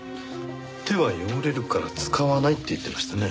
手は汚れるから使わないって言ってましたね。